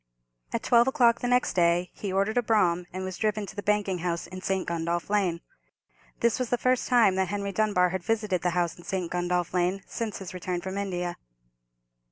At twelve o'clock the next day he ordered a brougham, and was driven to the banking house in St. Gundolph Lane. This was the first time that Henry Dunbar had visited the house in St. Gundolph Lane since his return from India.